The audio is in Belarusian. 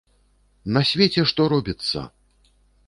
На свеце што робіцца!